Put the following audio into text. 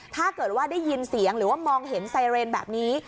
ถ้าเกิดว่าได้ยินเสียงหรือว่ามองเห็นไซเรนแบบนี้